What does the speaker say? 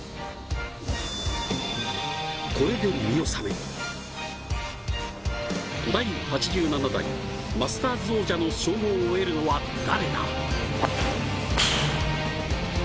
これで見納め、第８７代マスターズ王者の称号を得るのは誰だ。